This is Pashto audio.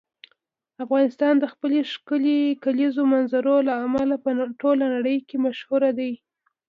افغانستان د خپلې ښکلې کلیزو منظره له امله په ټوله نړۍ کې مشهور دی.